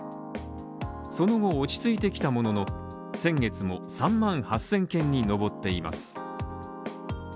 その後落ち着いてきたものの、先月は３万８０００件に上っています。